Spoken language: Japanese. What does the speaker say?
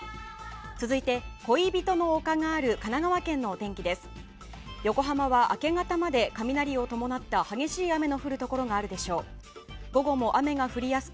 続いて、恋人の丘がある神奈川県のお天気です。